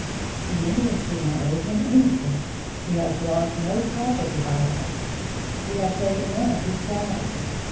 The Indians do not owe him anything, he has lost no property by us, we have taken none of his cattle.